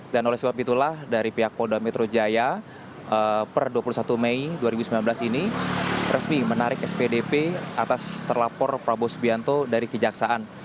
dan oleh sebab itulah dari pihak polda metro jaya per dua puluh satu mei dua ribu sembilan belas ini resmi menarik spdp atas terlapor prabowo subianto dari kejaksaan